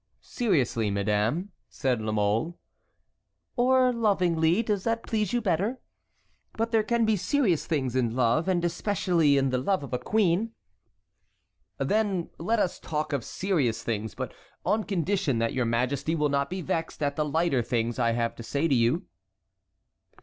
"Seriously, madame," said La Mole. "Or lovingly. Does that please you better? But there can be serious things in love, and especially in the love of a queen." "Then—let us talk of serious things; but on condition that your majesty will not be vexed at the lighter things I have to say to you."